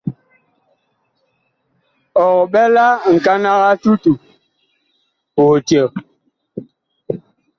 Ɔg ɓɛ la ŋkanag a tutu puh eceg.